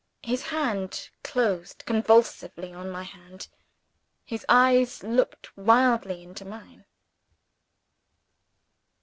His hand closed convulsively on my hand. His eyes looked wildly into mine.